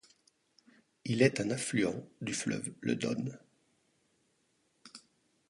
Il est un affluent du fleuve le Don.